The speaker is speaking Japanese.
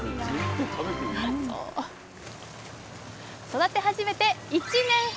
育て始めて１年半。